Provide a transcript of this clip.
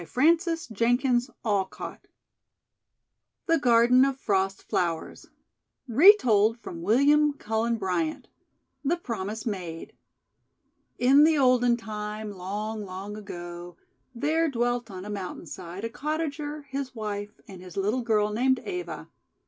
304 THE WONDER GARDEN THE GARDEN OF FROST FLOWERS Retold from William Cullen Bryant THE PROMISE MADE IN the olden time, long, long ago, there dwelt on a mountain side a cottager, his wife, and his little girl named Eva.